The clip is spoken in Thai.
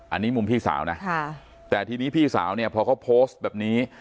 อันนี้มุมพี่สาวนะแต่ทีนี้พี่สาวเนี่ยพอเขาโพสต์แบบนี้